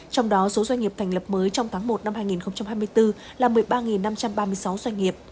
trong đó số doanh nghiệp thành lập mới trong tháng một năm hai nghìn hai mươi bốn là một mươi ba năm trăm ba mươi sáu doanh nghiệp